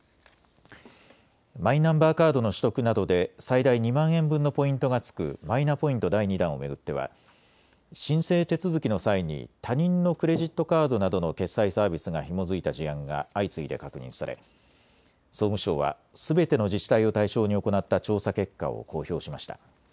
マイナンバーカードの取得などで最大２万円分のポイントがつくマイナポイント第２弾を巡っては申請手続きの際に他人のクレジットカードなどの決済サービスがひも付いた事案が相次いで確認され総務省はすべての自治体を対象に行った調査結果を公表しました。